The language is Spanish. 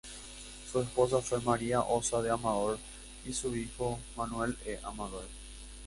Su esposa fue María Ossa de Amador, y su hijo, Manuel E. Amador.